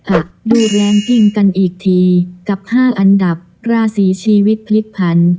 อ่ะดูกันอีกทีกับห้าอันดับราศีชีวิตผลิกพันธุ์